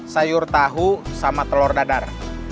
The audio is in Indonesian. sayur tahu sama telur dadar